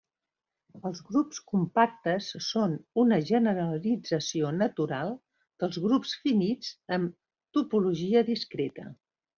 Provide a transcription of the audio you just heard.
Els grups compactes són una generalització natural dels grups finits amb topologia discreta.